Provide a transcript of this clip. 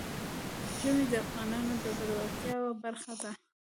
ژمی د افغانانو د ګټورتیا برخه ده.